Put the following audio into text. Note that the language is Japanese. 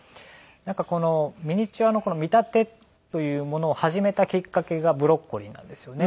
なんかミニチュアのこの見立てというものを始めたきっかけがブロッコリーなんですよね。